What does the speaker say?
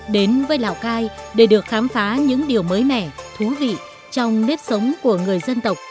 đến với lào cai để được khám phá những điều mới mẻ thú vị trong nếp sống của người dân tộc